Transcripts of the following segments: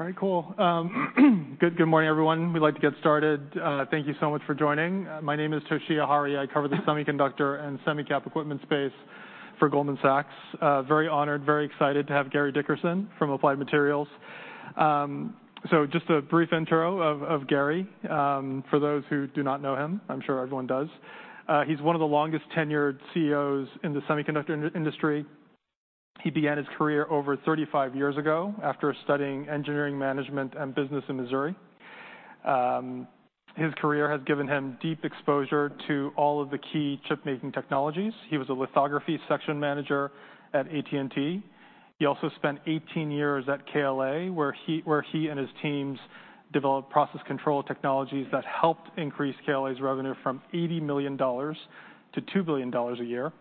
All right, cool. Good morning, everyone. We'd like to get started. Thank you so much for joining. My name is Toshiya Hari. I cover the semiconductor and semi-cap equipment space for Goldman Sachs. Very honored, very excited to have Gary Dickerson from Applied Materials. So just a brief intro of Gary for those who do not know him, I'm sure everyone does. He's one of the longest-tenured CEOs in the semiconductor industry. He began his career over 35 years ago after studying engineering management and business in Missouri. His career has given him deep exposure to all of the key chipmaking technologies. He was a lithography section manager at AT&T. He also spent 18 years at KLA, where he and his teams developed process control technologies that helped increase KLA's revenue from $80 million to $2 billion a year.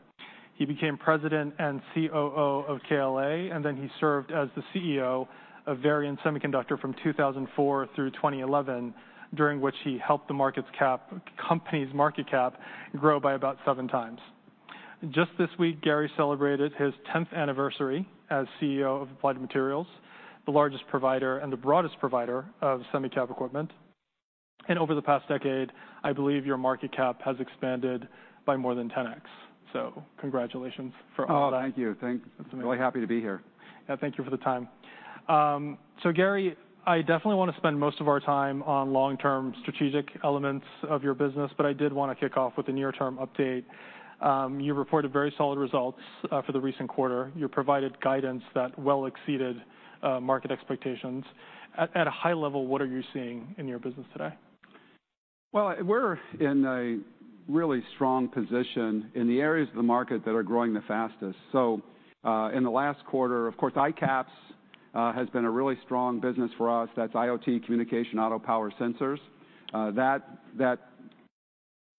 He became president and COO of KLA, and then he served as the CEO of Varian Semiconductor from 2004 through 2011, during which he helped the company's market cap grow by about 7x. Just this week, Gary celebrated his 10th anniversary as CEO of Applied Materials, the largest provider and the broadest provider of semi-cap equipment. And over the past decade, I believe your market cap has expanded by more than 10x. So congratulations for all that. Oh, thank you. Thank you. That's amazing. Really happy to be here. Yeah, thank you for the time. So Gary, I definitely want to spend most of our time on long-term strategic elements of your business, but I did want to kick off with a near-term update. You reported very solid results for the recent quarter. You provided guidance that well exceeded market expectations. At a high level, what are you seeing in your business today? Well, we're in a really strong position in the areas of the market that are growing the fastest. So, in the last quarter, of course, ICAPS has been a really strong business for us. That's IoT, Communication, Auto, Power, Sensors. That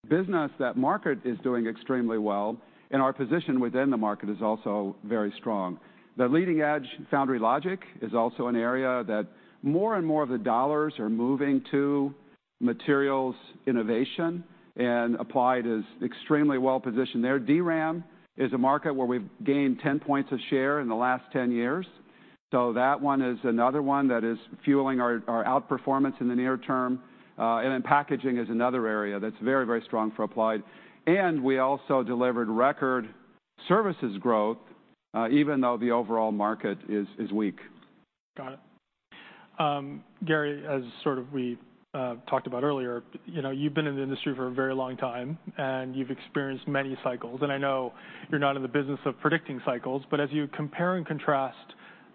business, that market, is doing extremely well, and our position within the market is also very strong. The leading-edge Foundry Logic is also an area that more and more of the dollars are moving to materials innovation, and Applied is extremely well-positioned there. DRAM is a market where we've gained 10 points of share in the last 10 years, so that one is another one that is fueling our outperformance in the near term. And then packaging is another area that's very, very strong for Applied. And we also delivered record services growth, even though the overall market is weak. Got it. Gary, as sort of we talked about earlier, you know, you've been in the industry for a very long time, and you've experienced many cycles. I know you're not in the business of predicting cycles, but as you compare and contrast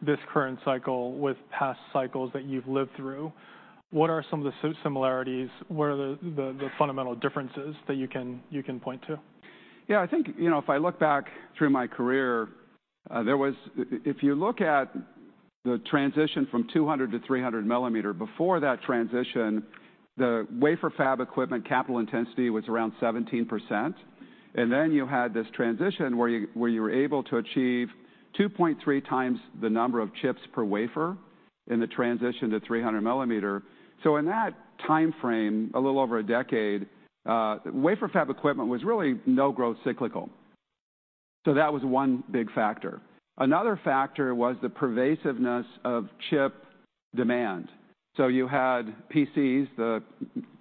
this current cycle with past cycles that you've lived through, what are some of the similarities? What are the fundamental differences that you can point to? Yeah, I think, you know, if I look back through my career, if you look at the transition from 200 mm to 300 mm, before that transition, the wafer fab equipment capital intensity was around 17%, and then you had this transition where you were able to achieve 2.3 times the number of chips per wafer in the transition to 300 mm. So in that timeframe, a little over a decade, wafer fab equipment was really no-growth cyclical. So that was one big factor. Another factor was the pervasiveness of chip demand. So you had PCs, the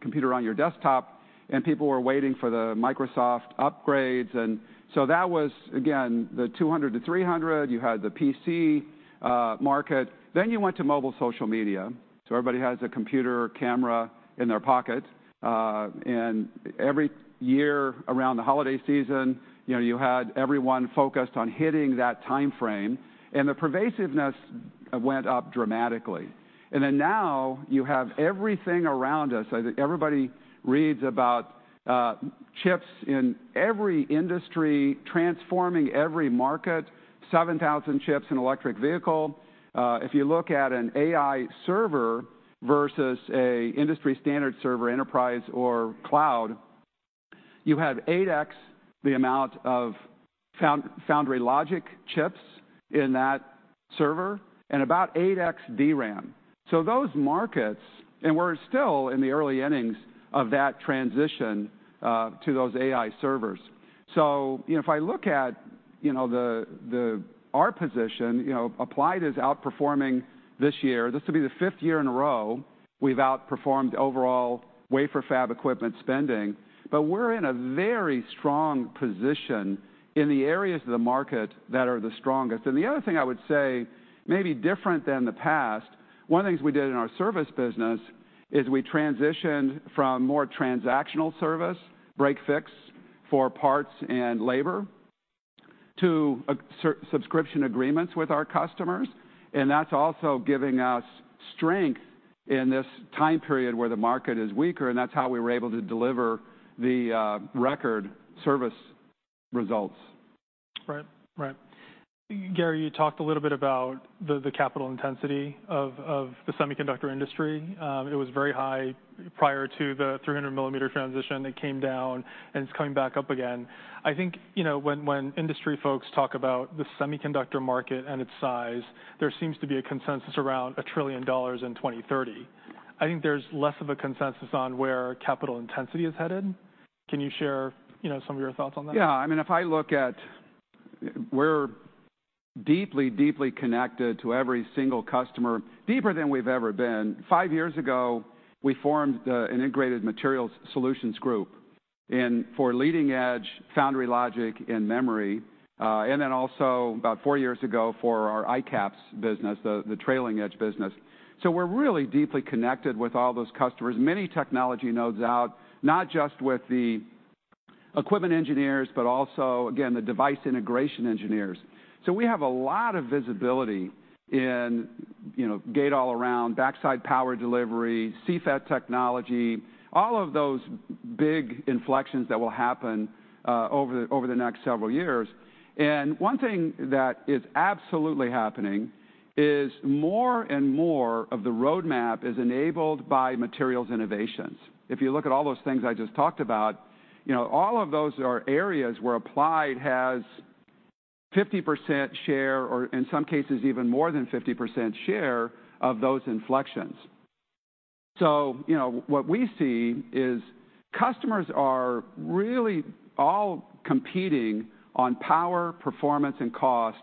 computer on your desktop, and people were waiting for the Microsoft upgrades, and so that was, again, the 200 mm to 300 mm. You had the PC market, then you went to mobile social media. So everybody has a computer or camera in their pocket, and every year around the holiday season, you know, you had everyone focused on hitting that timeframe, and the pervasiveness went up dramatically. And then now you have everything around us. I think everybody reads about chips in every industry, transforming every market, 7,000 chips in electric vehicle. If you look at an AI server versus a industry standard server, enterprise or cloud, you have 8x the amount of Foundry Logic chips in that server and about 8x DRAM. So those markets, and we're still in the early innings of that transition to those AI servers. So, you know, if I look at, you know, our position, you know, Applied is outperforming this year. This will be the fifth year in a row we've outperformed overall wafer fab equipment spending, but we're in a very strong position in the areas of the market that are the strongest. The other thing I would say, maybe different than the past, one of the things we did in our service business is we transitioned from more transactional service, break-fix for parts and labor, to certain subscription agreements with our customers, and that's also giving us strength in this time period where the market is weaker, and that's how we were able to deliver the record service results. Right. Right. Gary, you talked a little bit about the capital intensity of the semiconductor industry. It was very high prior to the 300 mm transition. It came down, and it's coming back up again. I think, you know, when industry folks talk about the semiconductor market and its size, there seems to be a consensus around $1 trillion in 2030. I think there's less of a consensus on where capital intensity is headed. Can you share, you know, some of your thoughts on that? Yeah. I mean, We're deeply, deeply connected to every single customer, deeper than we've ever been. Five years ago, we formed the Integrated Materials Solutions Group, and for leading-edge Foundry Logic and memory, and then also about four years ago for our ICAPS business, the trailing-edge business. So we're really deeply connected with all those customers, many technology nodes out, not just with the equipment engineers, but also, again, the device integration engineers. So we have a lot of visibility in, you know, gate-all-around, backside power delivery, CFET technology, all of those big inflections that will happen, over the next several years. And one thing that is absolutely happening is more and more of the roadmap is enabled by materials innovations. If you look at all those things I just talked about, you know, all of those are areas where Applied has 50% share, or in some cases, even more than 50% share of those inflections. So, you know, what we see is customers are really all competing on power, performance, and cost.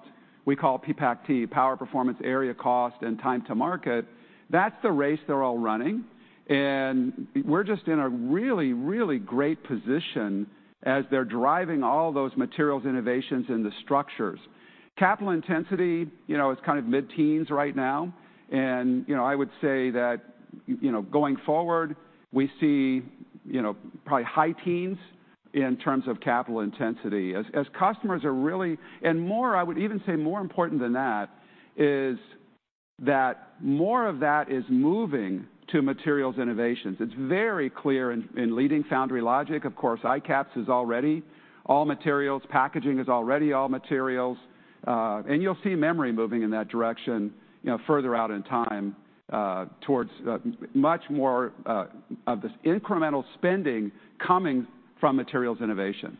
We call it PPACt, power, performance, area, cost, and time to market. That's the race they're all running, and we're just in a really, really great position as they're driving all those materials innovations in the structures. Capital intensity, you know, it's kind of mid-teens right now, and, you know, I would say that, you know, going forward, we see, you know, probably high teens in terms of capital intensity. As customers are really, and more, I would even say more important than that, is that more of that is moving to materials innovations. It's very clear in leading Foundry Logic. Of course, ICAPS is already all materials, packaging is already all materials, and you'll see memory moving in that direction, you know, further out in time, towards much more of this incremental spending coming from materials innovation.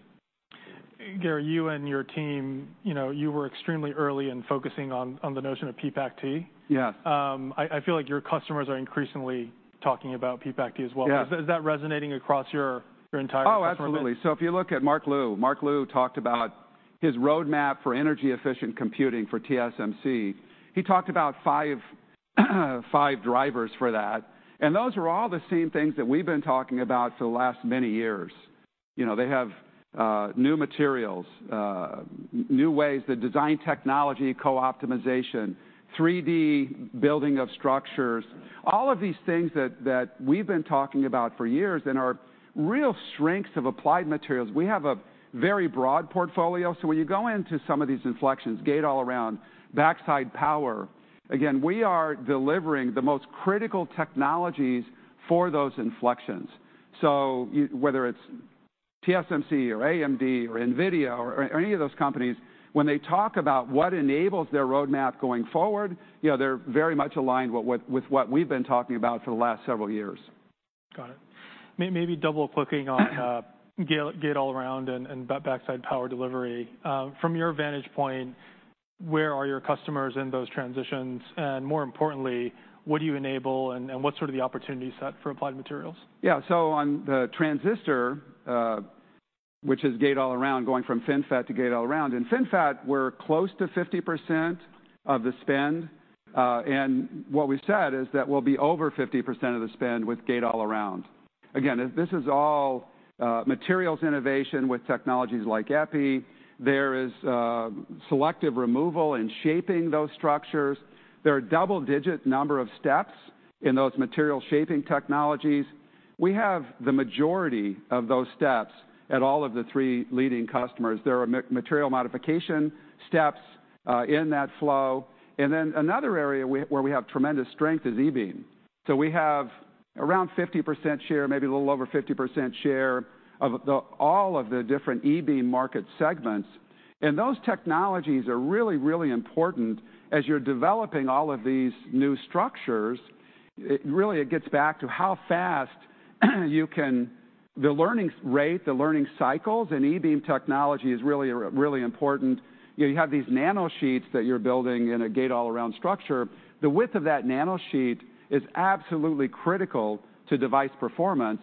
Gary, you and your team, you know, you were extremely early in focusing on the notion of PPACt. Yes. I feel like your customers are increasingly talking about PPACt as well. Yeah. Is that resonating across your entire customer base? Oh, absolutely. So if you look at Mark Liu, Mark Liu talked about his roadmap for energy-efficient computing for TSMC. He talked about five, five drivers for that, and those are all the same things that we've been talking about for the last many years. You know, they have new materials, new ways to design technology, co-optimization, 3D building of structures, all of these things that, that we've been talking about for years, and are real strengths of Applied Materials. We have a very broad portfolio, so when you go into some of these inflections, gate-all-around, backside power, again, we are delivering the most critical technologies for those inflections. So you, whether it's TSMC or AMD or NVIDIA or, or any of those companies, when they talk about what enables their roadmap going forward, you know, they're very much aligned with what, with what we've been talking about for the last several years. Got it. Maybe double-clicking on gate-all-around and backside power delivery, from your vantage point, where are your customers in those transitions? And more importantly, what do you enable and what's sort of the opportunity set for Applied Materials? Yeah, so on the transistor, which is Gate-All-Around, going from FinFET to Gate-All-Around, in FinFET, we're close to 50% of the spend, and what we've said is that we'll be over 50% of the spend with Gate-All-Around. Again, this is all materials innovation with technologies like Epi. There is selective removal and shaping those structures. There are double-digit number of steps in those material shaping technologies. We have the majority of those steps at all of the three leading customers. There are material modification steps in that flow, and then another area where we have tremendous strength is E-Beam. So we have around 50% share, maybe a little over 50% share of all of the different E-Beam market segments, and those technologies are really, really important as you're developing all of these new structures. It really, it gets back to how fast you can, the learning rate, the learning cycles in E-Beam technology is really, really important. You know, you have these Nanosheets that you're building in a Gate-All-Around structure. The width of that nanosheet is absolutely critical to device performance,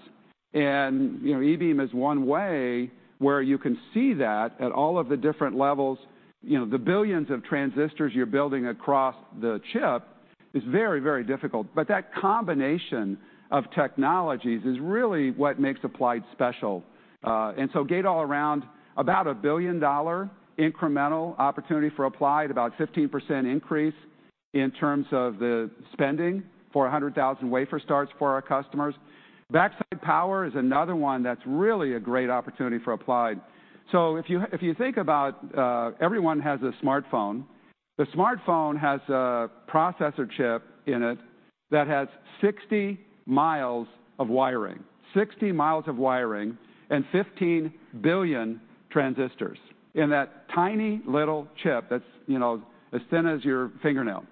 and, you know, E-Beam is one way where you can see that at all of the different levels. You know, the billions of transistors you're building across the chip is very, very difficult. But that combination of technologies is really what makes Applied special. And so Gate-All-Around, about a $1 billion incremental opportunity for Applied, about a 15% increase in terms of the spending for 100,000 wafer starts for our customers. Backside power is another one that's really a great opportunity for Applied. So if you, if you think about, everyone has a smartphone. The smartphone has a processor chip in it that has 60 mi of wiring. 60 mi of wiring and 15 billion transistors in that tiny little chip that's, you know, as thin as your fingernail,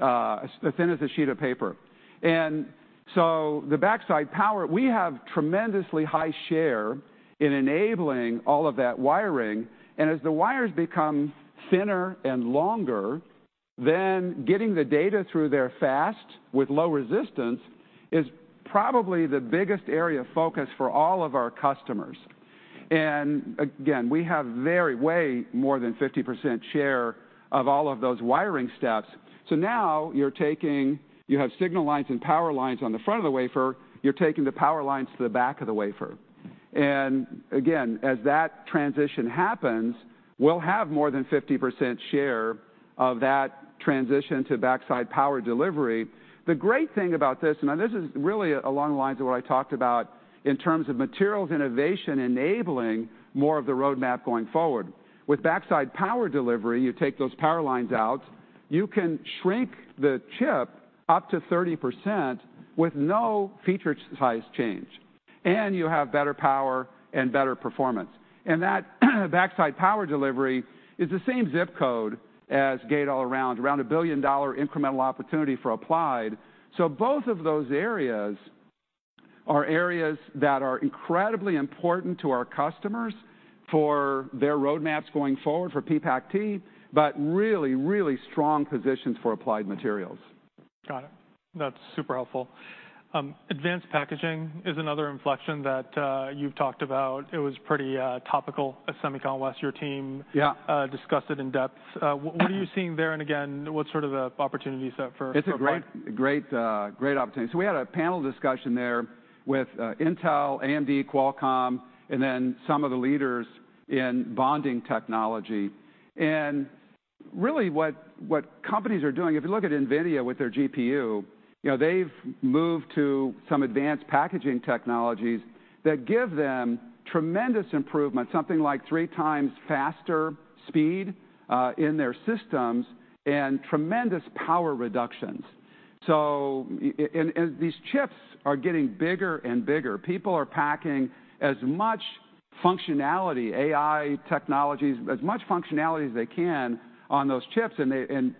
as thin as a sheet of paper. And so the backside power, we have tremendously high share in enabling all of that wiring, and as the wires become thinner and longer, then getting the data through there fast with low resistance is probably the biggest area of focus for all of our customers. And again, we have very way more than 50% share of all of those wiring steps. So now you have signal lines and power lines on the front of the wafer, you're taking the power lines to the back of the wafer. And again, as that transition happens, we'll have more than 50% share of that transition to backside power delivery. The great thing about this, now, this is really along the lines of what I talked about in terms of materials innovation, enabling more of the roadmap going forward. With backside power delivery, you take those power lines out, you can shrink the chip up to 30% with no feature size change, and you have better power and better performance. And that, backside power delivery is the same zip code as gate-all-around, around a $1 billion incremental opportunity for Applied. So both of those areas are areas that are incredibly important to our customers for their roadmaps going forward for PPACt, but really, really strong positions for Applied Materials. Got it. That's super helpful. Advanced Packaging is another inflection that you've talked about. It was pretty topical at Semiconductor. Your team discussed it in depth. What are you seeing there, and again, what sort of opportunities are for. It's a great, great, great opportunity. So we had a panel discussion there with Intel, AMD, Qualcomm, and then some of the leaders in bonding technology. And really, what companies are doing, if you look at NVIDIA with their GPU, you know, they've moved to some advanced packaging technologies that give them tremendous improvement, something like three times faster speed in their systems and tremendous power reductions. So, and, and these chips are getting bigger and bigger. People are packing as much functionality, AI technologies, as much functionality as they can on those chips, and they and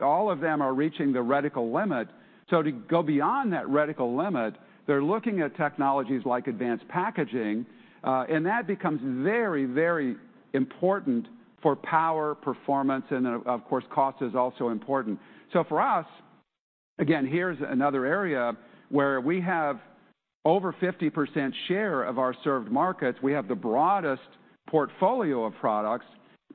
all of them are reaching the reticle limit. So to go beyond that reticle limit, they're looking at technologies like advanced packaging, and that becomes very, very important for power, performance, and, of course, cost is also important. So for us, again, here's another area where we have over 50% share of our served markets. We have the broadest portfolio of products,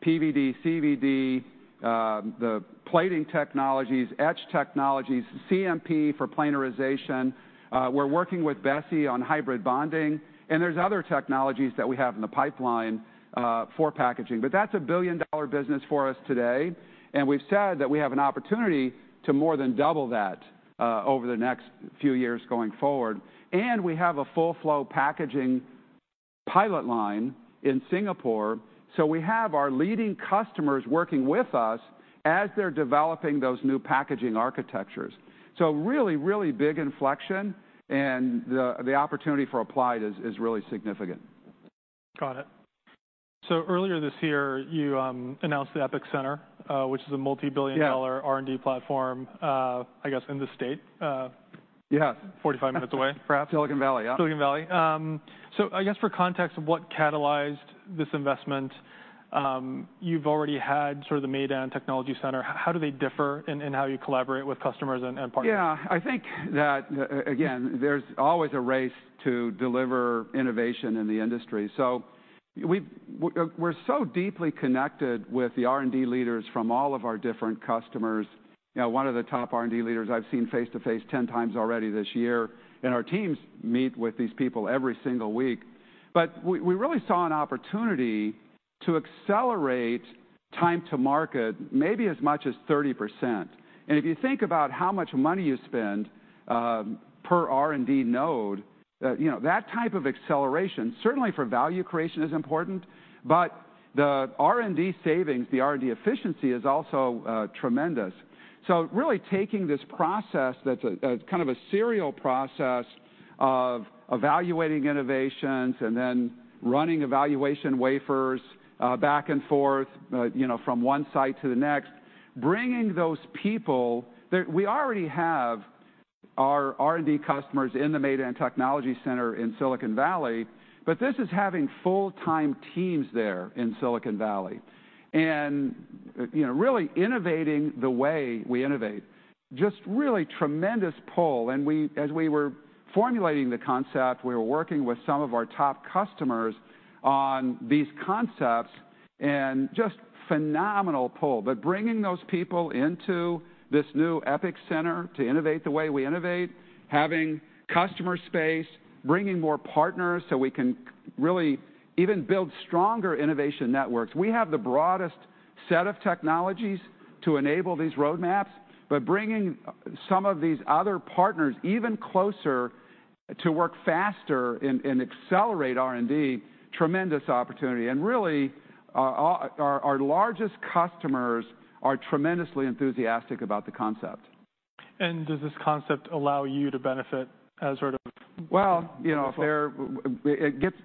PVD, CVD, the plating technologies, etch technologies, CMP for planarization. We're working with BESI on hybrid bonding, and there's other technologies that we have in the pipeline for packaging. But that's a billion-dollar business for us today, and we've said that we have an opportunity to more than double that over the next few years going forward. And we have a full flow packaging pilot line in Singapore, so we have our leading customers working with us as they're developing those new packaging architectures. So really, really big inflection, and the opportunity for Applied is really significant. Got it. So earlier this year, you announced the EPIC Center, which is a multi-billion dollar R&D platform, I guess, in the state. Yes. 45 minutes away, perhaps. Silicon Valley, yeah. Silicon Valley. So I guess for context of what catalyzed this investment, you've already had sort of the Maydan Technology Center. How do they differ in how you collaborate with customers and partners? Yeah, I think that, again, there's always a race to deliver innovation in the industry. So we've, we're so deeply connected with the R&D leaders from all of our different customers. You know, one of the top R&D leaders, I've seen face to face ten times already this year, and our teams meet with these people every single week. But we, we really saw an opportunity to accelerate time to market, maybe as much as 30%. And if you think about how much money you spend, per R&D node, you know, that type of acceleration, certainly for value creation, is important, but the R&D savings, the R&D efficiency, is also, tremendous. So really taking this process that's a kind of a serial process of evaluating innovations and then running evaluation wafers, back and forth, you know, from one site to the next, bringing those people that. We already have our R&D customers in the Maydan Technology Center in Silicon Valley, but this is having full-time teams there in Silicon Valley. And, you know, really innovating the way we innovate, just really tremendous pull. And we. As we were formulating the concept, we were working with some of our top customers on these concepts, and just phenomenal pull. But bringing those people into this new EPIC Center to innovate the way we innovate, having customer space, bringing more partners, so we can really even build stronger innovation networks. We have the broadest set of technologies to enable these roadmaps, but bringing some of these other partners even closer to work faster and accelerate R&D, tremendous opportunity. And really, our largest customers are tremendously enthusiastic about the concept. Does this concept allow you to benefit as sort of. Well, you know, there, it gets,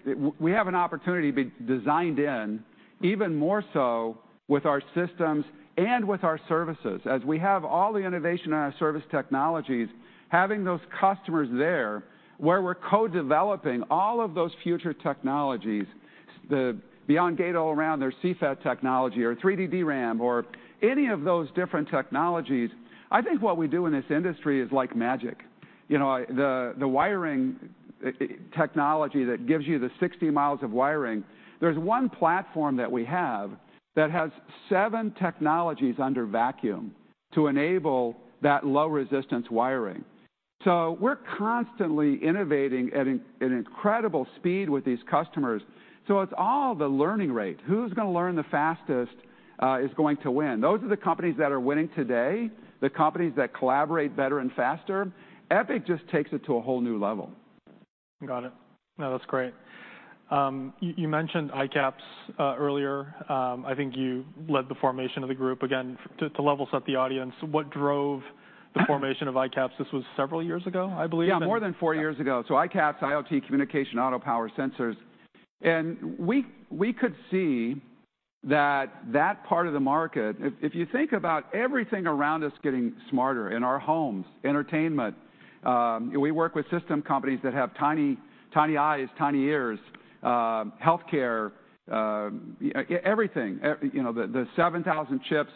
we have an opportunity to be designed in even more so with our systems and with our services. As we have all the innovation in our service technologies, having those customers there, where we're co-developing all of those future technologies, the beyond Gate-All-Around, their CFET technology or 3D DRAM, or any of those different technologies, I think what we do in this industry is like magic, you know, I, the, the wiring technology that gives you the 60 mi of wiring, there's one platform that we have that has seven technologies under vacuum to enable that low-resistance wiring. So we're constantly innovating at an incredible speed with these customers. So it's all the learning rate. Who's gonna learn the fastest is going to win. Those are the companies that are winning today, the companies that collaborate better and faster. EPIC just takes it to a whole new level. Got it. No, that's great. You mentioned ICAPS earlier. I think you led the formation of the group. Again, to level set the audience, what drove the formation of ICAPS? This was several years ago, I believe. Yeah, more than four years ago. So ICAPS, IoT Communication, Auto, Power, Sensors. And we could see that that part of the market, if you think about everything around us getting smarter, in our homes, entertainment, we work with system companies that have tiny, tiny eyes, tiny ears, healthcare, everything, you know, the 7,000 chips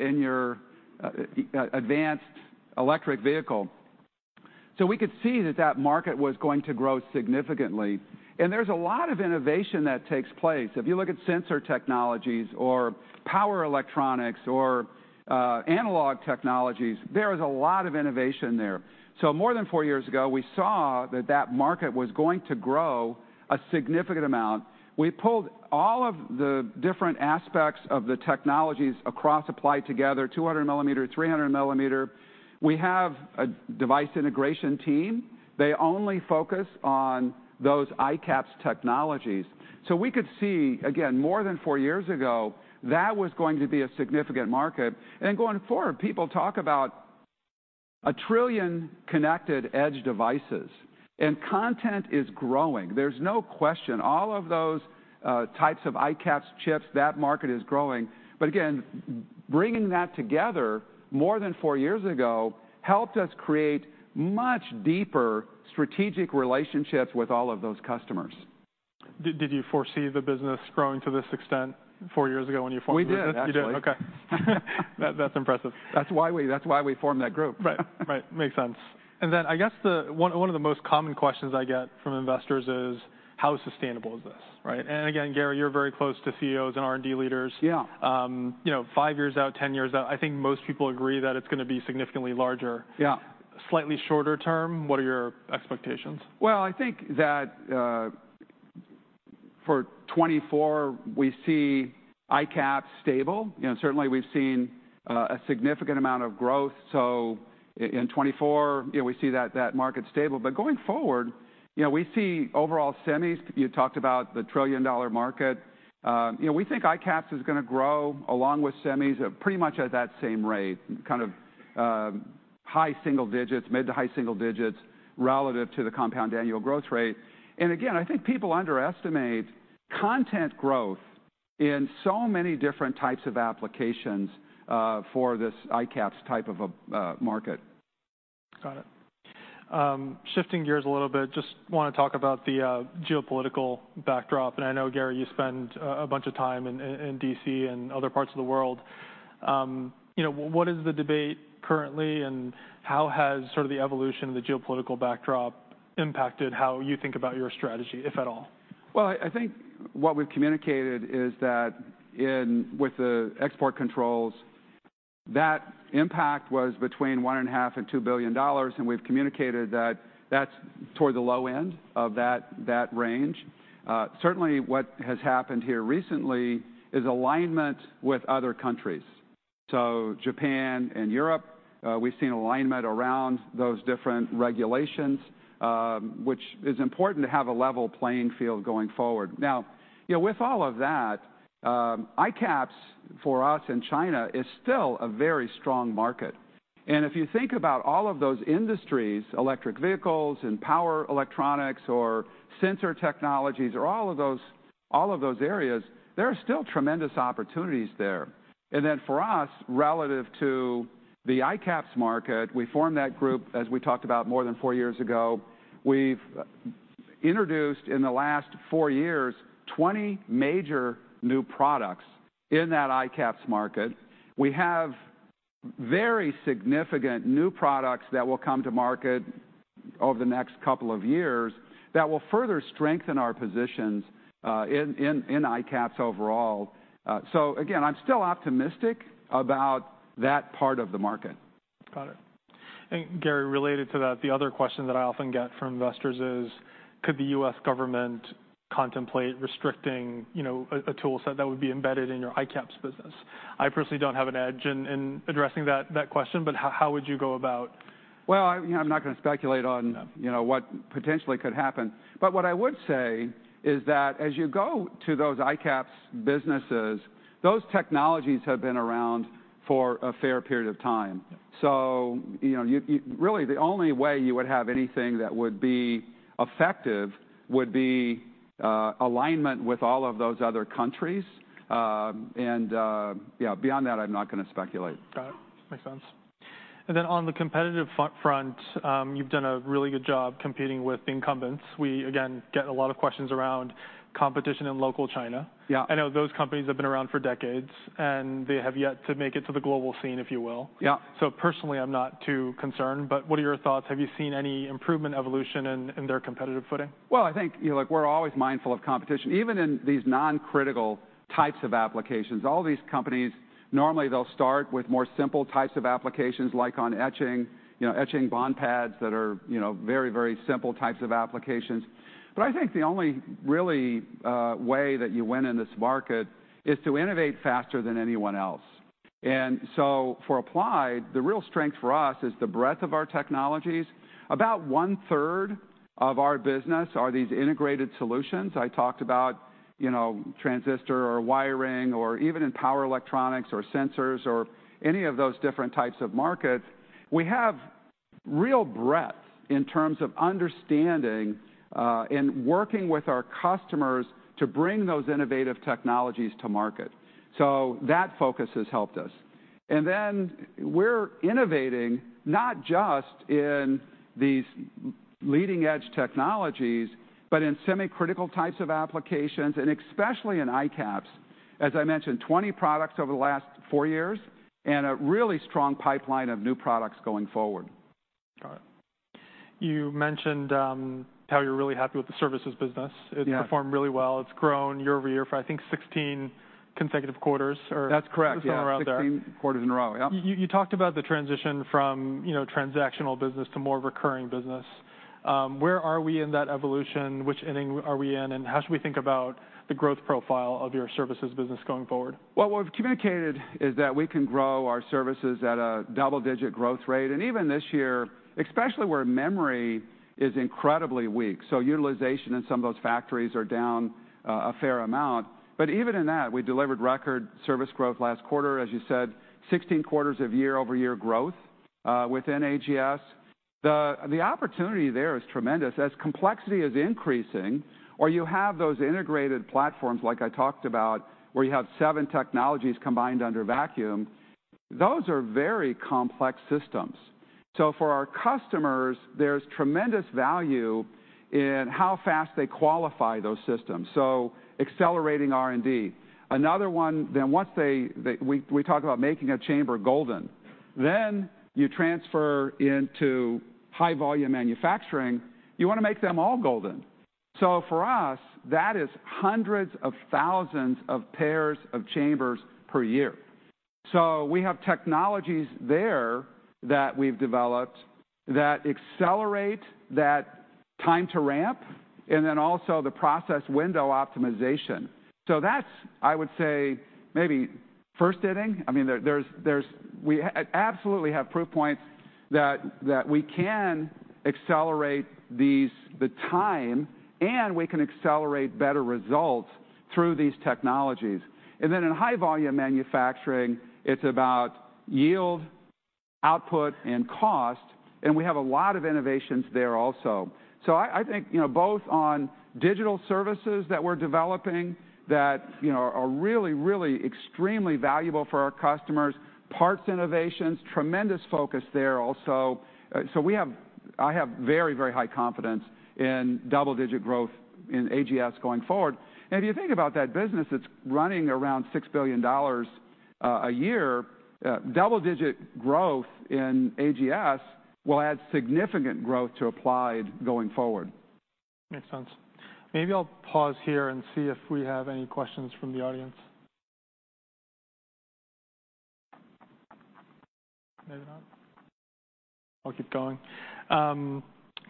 in your advanced electric vehicle. So we could see that that market was going to grow significantly, and there's a lot of innovation that takes place. If you look at sensor technologies or power electronics or analog technologies, there is a lot of innovation there. So more than four years ago, we saw that that market was going to grow a significant amount. We pulled all of the different aspects of the technologies across Applied together, 200 mm, 300 mm. We have a device integration team. They only focus on those ICAPS technologies. So we could see, again, more than four years ago, that was going to be a significant market. And then going forward, people talk about a trillion connected edge devices, and content is growing. There's no question, all of those types of ICAPS chips, that market is growing. But again, bringing that together more than four years ago helped us create much deeper strategic relationships with all of those customers. Did you foresee the business growing to this extent four years ago when you formed the group? We did, actually. You did? Okay. That, that's impressive. That's why we formed that group. Right. Right. Makes sense. And then I guess the one, one of the most common questions I get from investors is, how sustainable is this, right? And again, Gary, you're very close to CEOs and R&D leaders. Yeah. You know, five years out, 10 years out, I think most people agree that it's gonna be significantly larger. Yeah. Slightly shorter term, what are your expectations? Well, I think that, for 2024, we see ICAPS stable. You know, certainly we've seen, a significant amount of growth, so in 2024, you know, we see that, that market stable. But going forward, you know, we see overall semis, you talked about the trillion-dollar market. You know, we think ICAPS is gonna grow along with semis at pretty much at that same rate, kind of, high single digits, mid to high single digits relative to the compound annual growth rate. And again, I think people underestimate content growth in so many different types of applications, for this ICAPS type of a, market. Got it. Shifting gears a little bit, just want to talk about the geopolitical backdrop. I know, Gary, you spend a bunch of time in D.C. and other parts of the world. You know, what is the debate currently, and how has sort of the evolution of the geopolitical backdrop impacted how you think about your strategy, if at all? Well, I think what we've communicated is that in with the export controls, that impact was between $1.5 billion and $2 billion, and we've communicated that that's toward the low end of that range. Certainly what has happened here recently is alignment with other countries. So Japan and Europe, we've seen alignment around those different regulations, which is important to have a level playing field going forward. Now, you know, with all of that, ICAPS, for us, in China, is still a very strong market. And if you think about all of those industries, electric vehicles and power electronics or sensor technologies or all of those, all of those areas, there are still tremendous opportunities there. And then for us, relative to the ICAPS market, we formed that group, as we talked about more than four years ago. We've introduced, in the last four years, 20 major new products in that ICAPS market. We have very significant new products that will come to market over the next couple of years that will further strengthen our positions in ICAPS overall. So again, I'm still optimistic about that part of the market. Got it. Gary, related to that, the other question that I often get from investors is: Could the U.S. government contemplate restricting, you know, a toolset that would be embedded in your ICAPS business? I personally don't have an edge in addressing that question, but how would you go about? Well, you know, I'm not gonna speculate on, you know, what potentially could happen. But what I would say is that as you go to those ICAPS businesses, those technologies have been around for a fair period of time. Yeah. You know, really, the only way you would have anything that would be effective would be alignment with all of those other countries. Yeah, beyond that, I'm not gonna speculate. Got it. Makes sense. And then on the competitive front, you've done a really good job competing with incumbents. We, again, get a lot of questions around competition in local China. Yeah. I know those companies have been around for decades, and they have yet to make it to the global scene, if you will. Yeah. Personally, I'm not too concerned, but what are your thoughts? Have you seen any improvement, evolution in their competitive footing? Well, I think, you know, like, we're always mindful of competition, even in these non-critical types of applications. All these companies, normally, they'll start with more simple types of applications, like on etching, you know, etching bond pads that are, you know, very, very simple types of applications. But I think the only really way that you win in this market is to innovate faster than anyone else. And so for Applied, the real strength for us is the breadth of our technologies. About one-third of our business are these integrated solutions. I talked about, you know, transistor or wiring or even in power electronics or sensors or any of those different types of markets. We have real breadth in terms of understanding and working with our customers to bring those innovative technologies to market. So that focus has helped us. We're innovating not just in these leading-edge technologies, but in semi-critical types of applications, and especially in ICAPS. As I mentioned, 20 products over the last four years, and a really strong pipeline of new products going forward. Got it. You mentioned how you're really happy with the services business. Yeah. It's performed really well. It's grown year over year for, I think, 16 consecutive quarters or somewhere around there. That's correct, yeah. 16 quarters in a row, yep. You talked about the transition from, you know, transactional business to more recurring business. Where are we in that evolution? Which inning are we in, and how should we think about the growth profile of your services business going forward? What we've communicated is that we can grow our services at a double-digit growth rate, and even this year, especially where memory is incredibly weak, so utilization in some of those factories are down, a fair amount. But even in that, we delivered record service growth last quarter, as you said, 16 quarters of year-over-year growth, within AGS. The opportunity there is tremendous. As complexity is increasing or you have those integrated platforms like I talked about, where you have seven technologies combined under vacuum, those are very complex systems. So for our customers, there's tremendous value in how fast they qualify those systems, so accelerating R&D. Another one, then once we talk about making a chamber golden, then you transfer into high-volume manufacturing, you want to make them all golden. So for us, that is hundreds of thousands of pairs of chambers per year. So we have technologies there that we've developed that accelerate that time to ramp, and then also the process window optimization. So that's, I would say, maybe first inning. I mean, there's absolutely have proof points that we can accelerate the time, and we can accelerate better results through these technologies. And then in high-volume manufacturing, it's about yield, output, and cost, and we have a lot of innovations there also. So I think, you know, both on digital services that we're developing that, you know, are really, really extremely valuable for our customers, parts innovations, tremendous focus there also. So we have, I have very, very high confidence in double-digit growth in AGS going forward. If you think about that business, it's running around $6 billion a year. Double-digit growth in AGS will add significant growth to Applied going forward. Makes sense. Maybe I'll pause here and see if we have any questions from the audience. Maybe not? I'll keep going.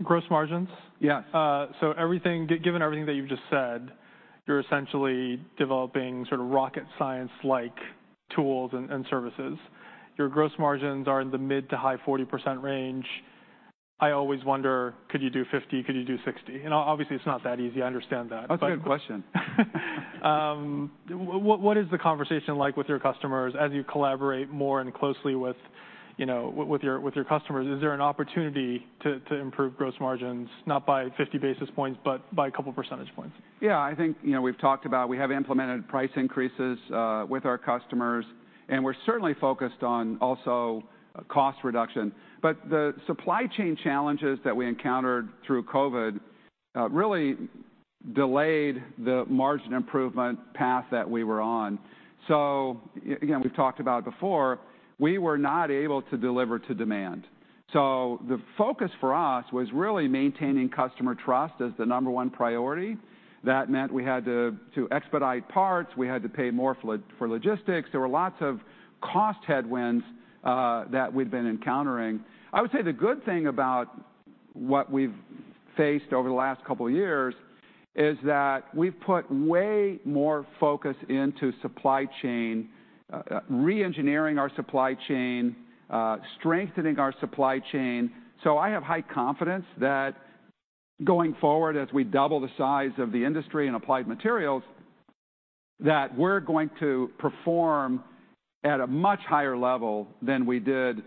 Gross margins. Yes. So, given everything that you've just said, you're essentially developing sort of rocket science-like tools and services. Your gross margins are in the mid- to high-40% range. I always wonder, could you do 50%? Could you do 60%? And obviously, it's not that easy. I understand that. That's a good question. What is the conversation like with your customers as you collaborate more and closely with, you know, with your customers? Is there an opportunity to improve gross margins, not by 50 basis points, but by a couple of percentage points? Yeah, I think, you know, we've talked about, we have implemented price increases with our customers, and we're certainly focused on also cost reduction. But the supply chain challenges that we encountered through COVID really delayed the margin improvement path that we were on. So again, we've talked about it before, we were not able to deliver to demand. So the focus for us was really maintaining customer trust as the number one priority. That meant we had to expedite parts, we had to pay more for logistics. There were lots of cost headwinds that we'd been encountering. I would say the good thing about what we've faced over the last couple of years is that we've put way more focus into supply chain, reengineering our supply chain, strengthening our supply chain. So I have high confidence that going forward, as we double the size of the industry in Applied Materials, that we're going to perform at a much higher level than we did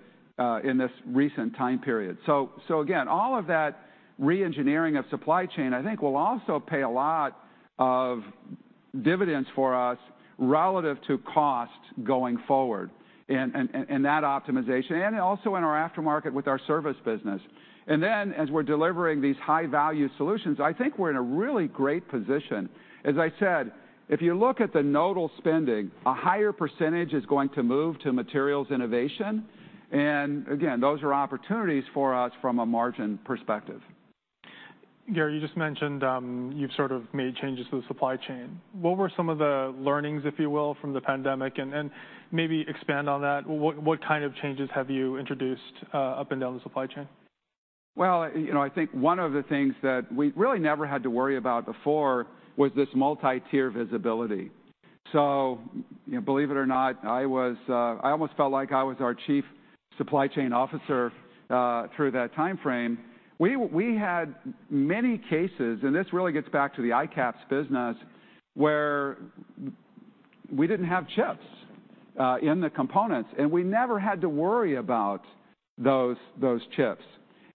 in this recent time period. So again, all of that reengineering of supply chain, I think will also pay a lot of dividends for us relative to cost going forward, and that optimization, and also in our aftermarket with our service business. And then as we're delivering these high-value solutions, I think we're in a really great position. As I said, if you look at the nodal spending, a higher percentage is going to move to materials innovation, and again, those are opportunities for us from a margin perspective. Gary, you just mentioned you've sort of made changes to the supply chain. What were some of the learnings, if you will, from the pandemic? And maybe expand on that. What kind of changes have you introduced up and down the supply chain? Well, you know, I think one of the things that we really never had to worry about before was this multi-tier visibility. So, you know, believe it or not, I was, I almost felt like I was our chief supply chain officer through that timeframe. We had many cases, and this really gets back to the ICAPS business, where we didn't have chips in the components, and we never had to worry about those chips.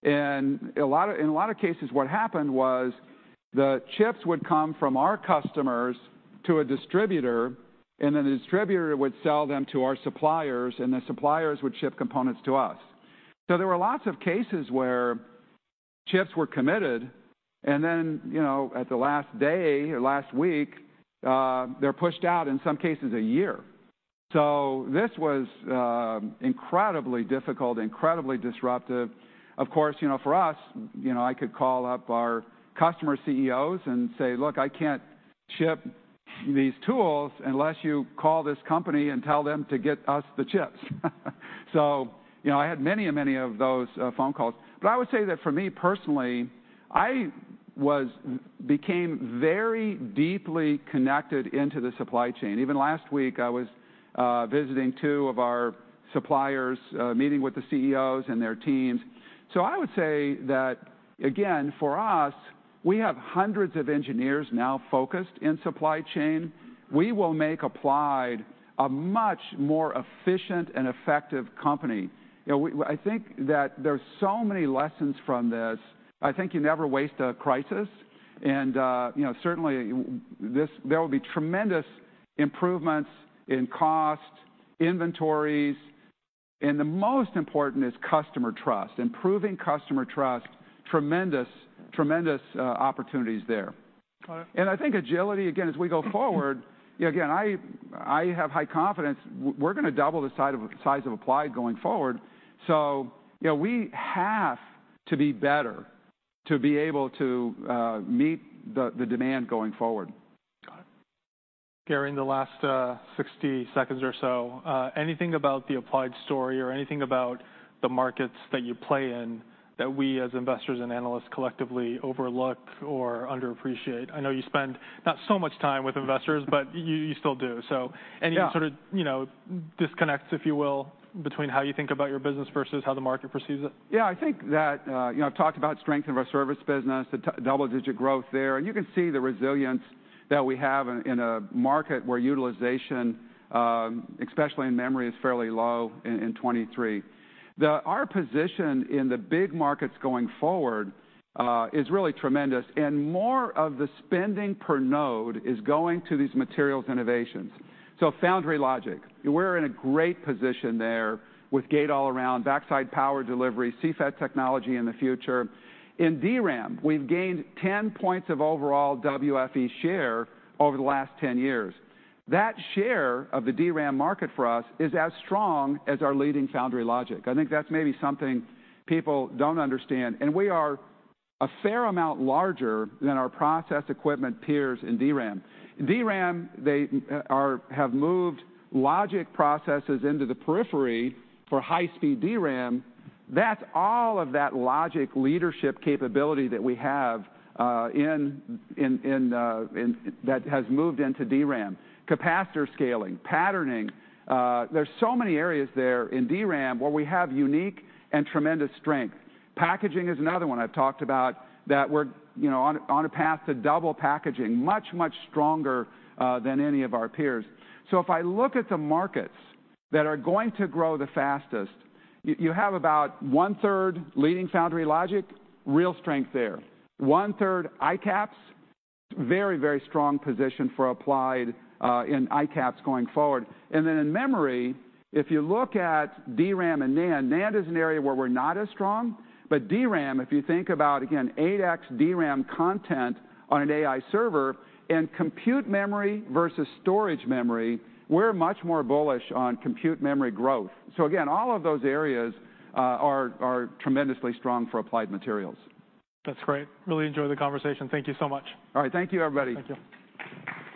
And in a lot of cases, what happened was, the chips would come from our customers to a distributor, and then the distributor would sell them to our suppliers, and the suppliers would ship components to us. So there were lots of cases where chips were committed, and then, you know, at the last day or last week, they're pushed out, in some cases, a year. So this was incredibly difficult, incredibly disruptive. Of course, you know, for us, you know, I could call up our customer CEOs and say, "Look, I can't ship these tools unless you call this company and tell them to get us the chips." So, you know, I had many and many of those phone calls. But I would say that for me personally, I became very deeply connected into the supply chain. Even last week, I was visiting two of our suppliers, meeting with the CEOs and their teams. So I would say that, again, for us, we have hundreds of engineers now focused in supply chain. We will make Applied a much more efficient and effective company. You know, we, I think that there's so many lessons from this. I think you never waste a crisis and, you know, certainly, there will be tremendous improvements in cost, inventories, and the most important is customer trust. Improving customer trust, tremendous, tremendous, opportunities there. Got it. I think agility, again, as we go forward, you know, again, I have high confidence we're going to double the size of Applied going forward. So, you know, we have to be better to be able to meet the demand going forward. Got it. Gary, in the last 60 seconds or so, anything about the Applied story or anything about the markets that you play in, that we as investors and analysts collectively overlook or underappreciate? I know you spend not so much time with investors, but you still do, so any sort of, you know, disconnects, if you will, between how you think about your business versus how the market perceives it? Yeah. I think that, you know, I've talked about strength of our service business, the double-digit growth there, and you can see the resilience that we have in a market where utilization, especially in memory, is fairly low in 2023. Our position in the big markets going forward is really tremendous, and more of the spending per node is going to these materials innovations. So Foundry Logic, we're in a great position there with Gate-All-Around, Backside Power Delivery, CFET technology in the future. In DRAM, we've gained 10 points of overall WFE share over the last 10 years. That share of the DRAM market for us is as strong as our leading Foundry Logic. I think that's maybe something people don't understand, and we are a fair amount larger than our process equipment peers in DRAM. DRAM, they have moved logic processes into the periphery for high-speed DRAM. That's all of that logic leadership capability that we have. That has moved into DRAM. Capacitor scaling, patterning, there's so many areas there in DRAM where we have unique and tremendous strength. Packaging is another one I've talked about, that we're, you know, on a path to double packaging, much, much stronger than any of our peers. So if I look at the markets that are going to grow the fastest, you have about one-third leading Foundry Logic, real strength there. One-third ICAPS, very, very strong position for Applied in ICAPS going forward. And then in memory, if you look at DRAM and NAND, NAND is an area where we're not as strong, but DRAM, if you think about, again, 8x DRAM content on an AI server and compute memory versus storage memory, we're much more bullish on compute memory growth. So again, all of those areas are tremendously strong for Applied Materials. That's great. Really enjoyed the conversation. Thank you so much. All right. Thank you, everybody. Thank you.